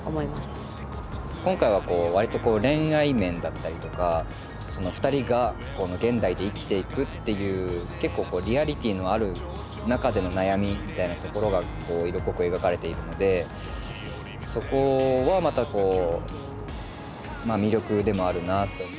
今回はこう割と恋愛面だったりとかふたりが現代で生きていくっていう結構リアリティーのある中での悩みみたいなところが色濃く描かれているのでそこはまた魅力でもあるなあと。